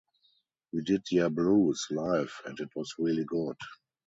We did 'Yer Blues' live and it was really good.